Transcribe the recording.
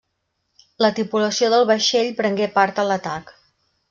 La tripulació del vaixell prengué part en l'atac.